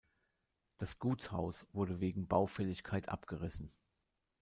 Das Gutshaus wurde wegen Baufälligkeit abgerissen.